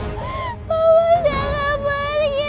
papa jangan pergi